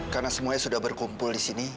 terima kasih bu ambar